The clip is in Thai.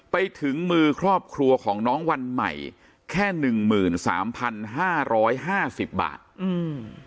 ไปถึงมือครอบครัวของน้องวันใหม่แค่หนึ่งหมื่นสามพันห้าร้อยห้าสิบบาทอืม